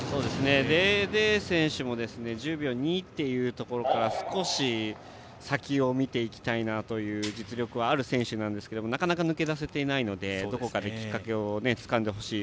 デーデー選手も１０秒２というところから少し先を見ていきたいなという実力はある選手ですがなかなか抜け出せていないのでどこかできっかけをつかんでほしい。